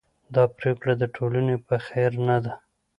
دا پرېکړه د ټولنې په خیر نه ده.